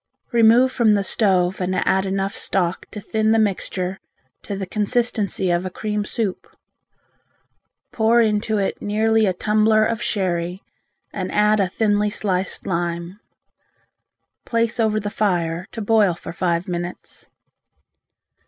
Remove from the stove and add enough stock to thin the mixture to the consistency of a cream soup. Pour into it nearly a tumbler of sherry and add a thinly sliced lime. Place over the fire to boil for five minutes.